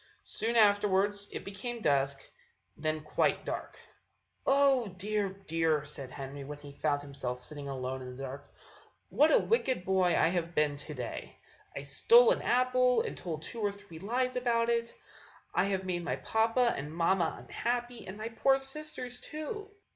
Soon afterwards it became dusk, and then quite dark. "Oh! dear, dear," said Henry, when he found himself sitting alone in the dark, "what a wicked boy I have been to day! I stole an apple, and told two or three lies about it! I have made my papa and mamma unhappy, and my poor sisters, too!